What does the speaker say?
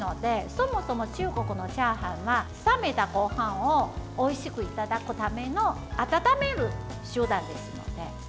そもそも中国のチャーハンは冷めたごはんをおいしくいただくための温める手段ですので。